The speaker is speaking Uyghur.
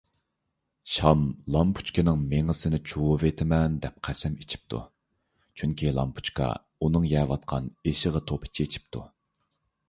شام لامپۇچكىنىڭ مېڭىسىنى چۇۋۇۋېتىمەن دەپ قەسەم ئىچىپتۇ، چۈنكى لامپۇچكا ئۇنىڭ يەۋاتقان ئېشىغا توپا چېچىپتۇ.